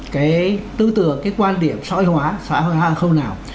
cái tư tưởng cái quan điểm xoay hóa xoay hóa không nào